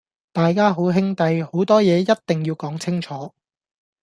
大家好兄弟，好多嘢一定要講清楚